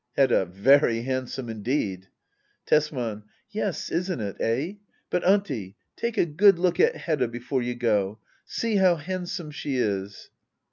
Hedda. Very handsome indeed. Tesman. Yes, isn't it ? £h ? But Auntie, take a good look at Hedda before you go! See how hand some she is